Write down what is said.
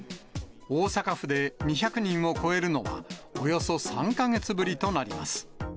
大阪府で２００人を超えるのは、およそ３か月ぶりとなります。